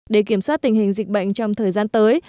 để kiểm soát tình hình dịch bệnh trong thời gian tới